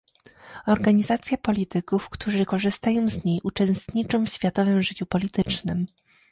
Organizacja polityków, którzy, korzystając z niej, uczestniczą w światowym życiu politycznym